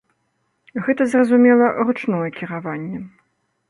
Гэта зразумела, ручное кіраванне.